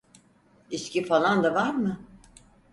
İçki falan da var mı?